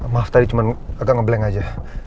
maaf tadi cuman agak ngeblank aja